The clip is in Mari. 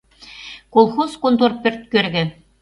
Колхоз контора пӧрт кӧргӧ.